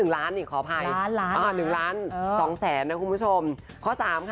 ๑ล้านขออภัย๑ล้าน๒แสนนะคุณผู้ชม